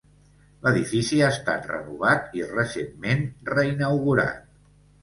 L'edifici ha estat renovat i recentment reinaugurat.